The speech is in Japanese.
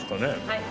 はい